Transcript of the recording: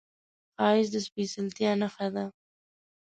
ښایست د سپېڅلتیا نښه ده